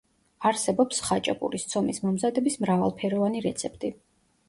არსებობს ხაჭაპურის ცომის მომზადების მრავალფეროვანი რეცეპტი.